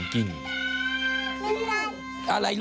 อ่าพูดไห้เยอะสิให้เยอะ